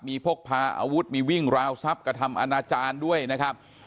มีพกพาอาวุธมีวิ่งราวทรัพย์กระทำอนาจารย์ด้วยนะครับ